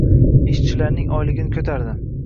Ishchilarning oyligini ko`tardik